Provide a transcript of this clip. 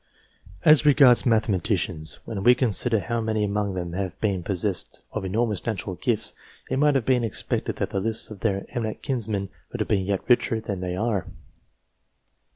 As regards mathematicians, when we consider how many among them have been possessed of enormous natural gifts, it might have been expected that the lists of their eminent kinsmen would have been yet richer than they are.